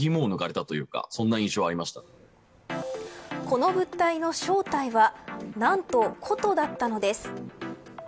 この物体の正体は何と、琴だったのです。